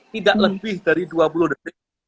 tidak lebih dari dua puluh detik